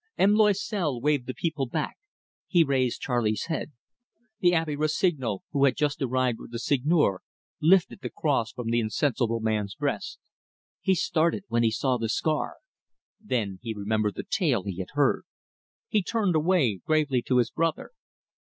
M. Loisel waved the people back. He raised Charley's head. The Abbe Rossignol, who had just arrived with the Seigneur, lifted the cross from the insensible man's breast. He started when he saw the scar. Then he remembered the tale he had heard. He turned away gravely to his brother.